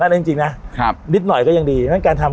อ่านั่นจริงจริงนะครับนิดหน่อยก็ยังดีฉะนั้นการทำ